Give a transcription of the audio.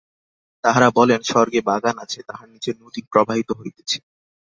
তাঁহারা বলেন, স্বর্গে বাগান আছে, তাহার নিচে নদী প্রবাহিত হইতেছে।